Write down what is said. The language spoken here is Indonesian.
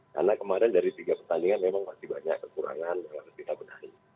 karena kemarin dari tiga pertandingan memang masih banyak kekurangan dalam ketidakbenarannya